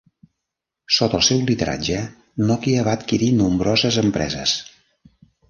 Sota el seu lideratge, Nokia va adquirir nombroses empreses.